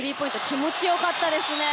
気持ちよかったですね。